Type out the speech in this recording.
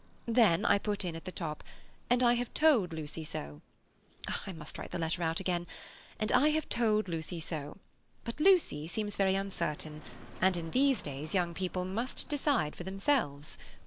Then I put in at the top, 'and I have told Lucy so.' I must write the letter out again—'and I have told Lucy so. But Lucy seems very uncertain, and in these days young people must decide for themselves.